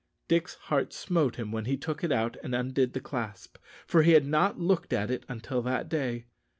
Dick's heart smote him when he took it out and undid the clasp, for he had not looked at it until that day.